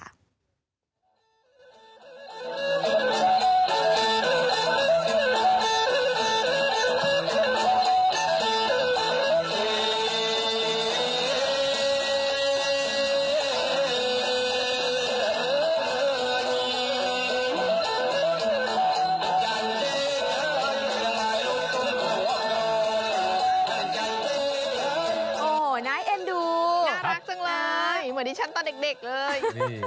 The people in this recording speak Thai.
ไมาซโอ้อน้ายเอ็นดูน่ารักจังล่ะเหมือนชั้นตอนเด็กเลย